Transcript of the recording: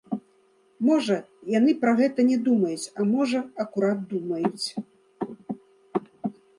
Можа, яны пра гэта не думаюць, а можа, акурат думаюць.